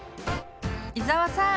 伊沢さん